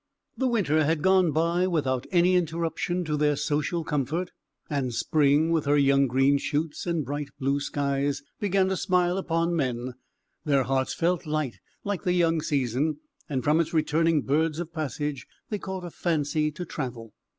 The winter had gone by without any interruption to their social comfort; and spring, with her young green shoots and bright blue skies, began to smile upon men; their hearts felt light, like the young season, and from its returning birds of passage, they caught a fancy to travel.